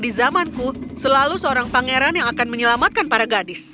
dan di zamanku selalu seorang pangeran yang akan menyelamatkan para gadis